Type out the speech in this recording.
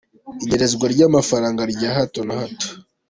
Inyerezwa ry’amafaranga rya hato na hato.